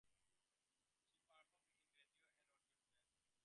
She performed in radio and audio plays.